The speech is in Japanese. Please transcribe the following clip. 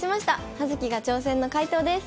「葉月が挑戦！」の解答です。